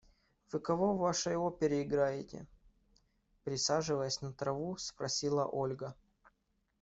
– Вы кого в вашей опере играете? – присаживаясь на траву, спросила Ольга.